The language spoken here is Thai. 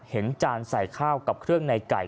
จานใส่ข้าวกับเครื่องในไก่